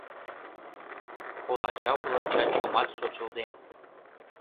Олача-вулача чомат шочылден.